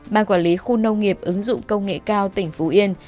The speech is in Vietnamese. ban quản lý khu nông nghiệp ứng dụng công nghệ cao tỉnh phú yên